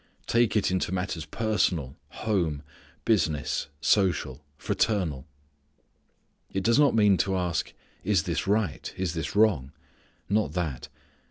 Take it into matters personal, home, business, social, fraternal. It does not mean to ask, "Is this right? is this wrong?" Not that.